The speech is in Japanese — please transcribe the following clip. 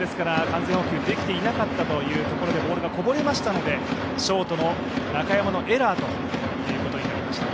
完全捕球できていなかったというところでボールがこぼれましたのでショートの中山のエラーということになりました。